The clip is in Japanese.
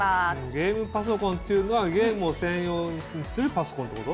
ゲームパソコンっていうのはゲームを専用にするパソコンってこと？